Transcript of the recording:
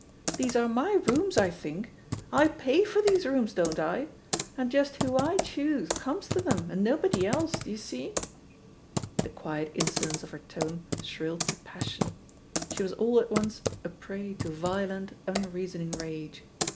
These are my rooms, I think? I pay for these rooms, don't I? — and just who I choose comes to them, and nobody else. D'ye see?" The quiet in solence of her tone shrilled to passion. She was all at once a prey to violent, unreasoning rage.